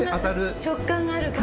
食感がある感じ。